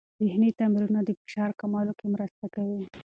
ذهني تمرینونه د فشار کمولو کې مرسته کوي.